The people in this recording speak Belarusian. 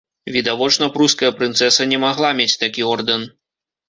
Відавочна, пруская прынцэса не магла мець такі ордэн!